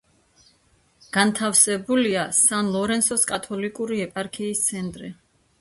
განთავსებულია სან-ლორენსოს კათოლიკური ეპარქიის ცენტრი.